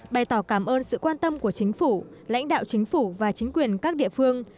bày tỏ cảm ơn sự quan tâm của chính phủ lãnh đạo chính phủ và chính quyền các địa phương